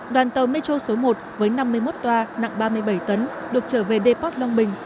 đoàn tàu metro số một với năm mươi một toa nặng ba mươi bảy tấn được trở về deport long bình